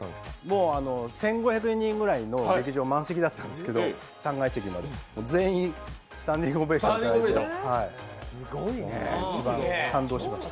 もう１５００人ぐらいの劇場満席だったんですけど、全員スタンディングオベーションいただきました。